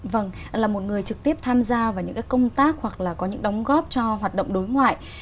vâng là một người trực tiếp tham gia vào những công tác hoặc là có những đóng góp cho hoạt động đối ngoại